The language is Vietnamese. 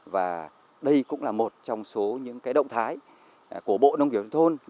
và đây cũng là một trong số những động thái của bộ nông nghiệp và phát triển thôn